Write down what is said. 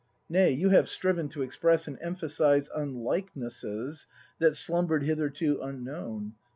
Nay, you have striven to express And emphasise unlikenesses That slumber'd hitherto unknown.